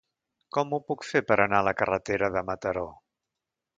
Com ho puc fer per anar a la carretera de Mataró?